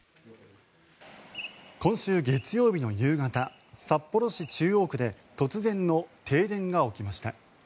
今週月曜日の夕方札幌市中央区で突然の停電が起きました。